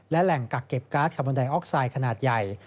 และแหล่งกักเก็บการ์ดคาร์บอนไดออกไซด์ขนาดใหญ่